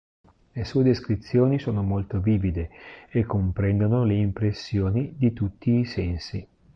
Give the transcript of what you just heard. Le sue descrizioni sono molto vivide e comprendono le impressioni di tutti i sensi.